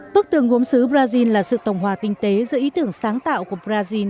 bức tường gốm xứ brazil là sự tổng hòa tinh tế giữa ý tưởng sáng tạo của brazil